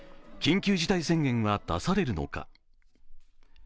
緊急事態宣言は出されるのか。